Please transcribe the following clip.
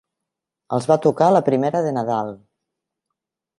Els va tocar la primera de Nadal.